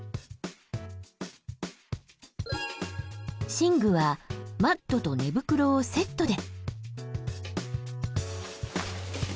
寝具はマットと寝袋をセットで。